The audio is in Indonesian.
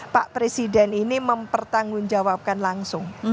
pak presiden ini mempertanggungjawabkan langsung